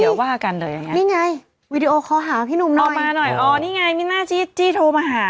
เดี๋ยวว่ากันเลยยังไงนี่ไงวีดีโอคอลหาพี่หนุ่มนะรอมาหน่อยอ๋อนี่ไงมิน่าจี้จี้โทรมาหา